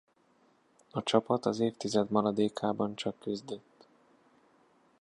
A csapat az évtized maradékában csak küzdött.